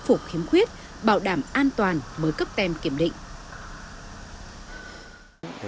phục khiếm khuyết bảo đảm an toàn mới cấp tem kiểm định